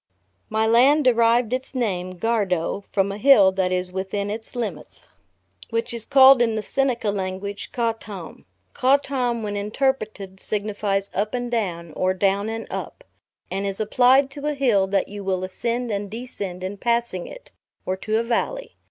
My land derived its name, Gardow, from a hill that is within its limits, which is called in the Seneca language Kau tam. Kautam when interpreted signifies up and down, or down and up, and is applied to a hill that you will ascend and descend in passing it; or to a valley.